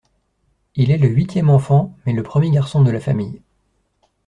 Il est le huitième enfant, mais le premier garçon de la famille.